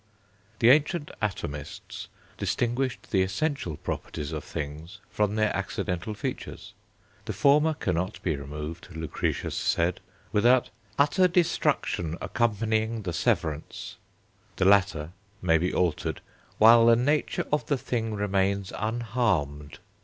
The ancient atomists distinguished the essential properties of things from their accidental features. The former cannot be removed, Lucretius said, without "utter destruction accompanying the severance"; the latter may be altered "while the nature of the thing remains unharmed."